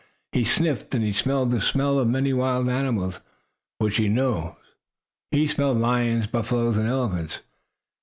He sniffed, and he smelled the smell of many wild animals which he knew. He smelled lions, buffaloes, and elephants.